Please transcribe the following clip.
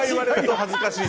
お恥ずかしい。